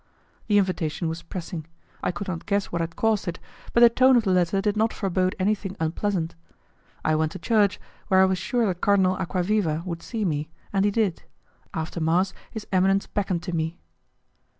The invitation was pressing; I could not guess what had caused it, but the tone of the letter did not forebode anything unpleasant. I went to church, where I was sure that Cardinal Acquaviva would see me, and he did. After mass, his eminence beckoned to me.